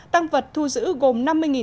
tăng vật thu giữ gồm